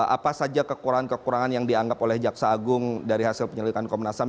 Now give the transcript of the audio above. apa saja kekurangan kekurangan yang dianggap oleh jaksa agung dari hasil penyelidikan komnas ham